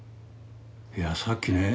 いやさっきね